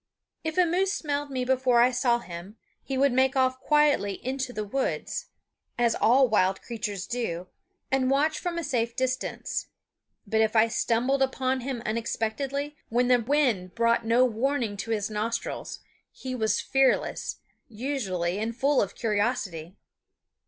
If a moose smelled me before I saw him, he would make off quietly into the woods, as all wild creatures do, and watch from a safe distance. But if I stumbled upon him unexpectedly, when the wind brought no warning to his nostrils, he was fearless, usually, and full of curiosity.